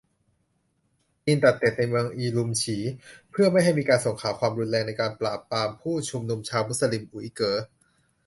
จีนตัดเน็ทในเมือง อุรุมฉี เพื่อไม่ให้มีการส่งข่าวความรุนแรงในการปราบปรามผุ้ชุมนุมชาวมุสลิม อุ๋ยเก๋อ